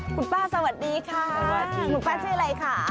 คุณป้าสวัสดีค่ะสวัสดีคุณป้าชื่ออะไรค่ะ